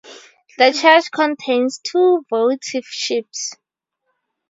The church contains two votive ships.